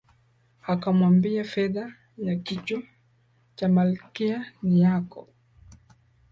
Akamwambia Fedha ya kichwa cha Malkia si yako